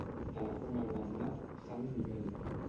Telefona al Bernat San Miguel.